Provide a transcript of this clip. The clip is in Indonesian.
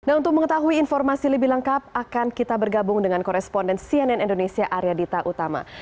nah untuk mengetahui informasi lebih lengkap akan kita bergabung dengan koresponden cnn indonesia arya dita utama